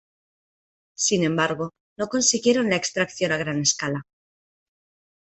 Sin embargo, no consiguieron la extracción a gran escala.